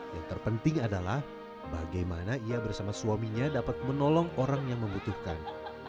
yang terpenting adalah bagaimana ia bersama suaminya dapat menolong orang yang membutuhkan